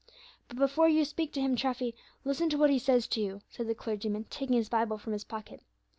"But, before you speak to Him, Treffy, listen to what He says to you," said the clergyman, taking His Bible from his pocket.